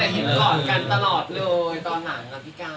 แต่เห็นก่อนกันตลอดเลยตอนหนังนะพี่กาน